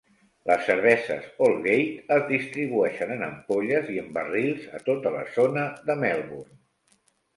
Les cerveses Holgate es distribueixen en ampolles i en barrils a tota la zona de Melbourne.